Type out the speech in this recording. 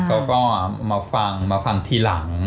เขาก็มาฟังมาฟังทีหลัง